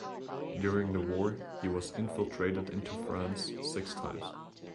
During the war he was infiltrated into France six times.